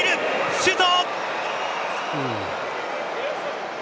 シュート！